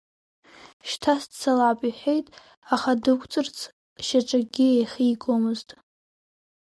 Шьҭа сцалап, — иҳәеит, аха дықәҵырц шьаҿакгьы еихигомызт.